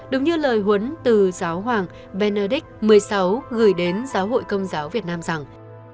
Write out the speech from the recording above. đúng như lời huấn từ giáo hoàng benedict xvi gửi đến giáo hội công giáo việt nam rằng